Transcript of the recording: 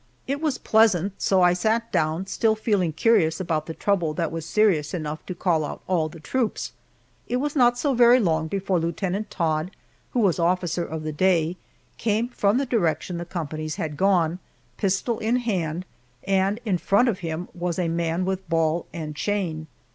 It was pleasant, so I sat down, still feeling curious about the trouble that was serious enough to call out all the troops. It was not so very long before Lieutenant Todd, who was officer of the day, came from the direction the companies had gone, pistol in hand, and in front of him was a man with ball and chain.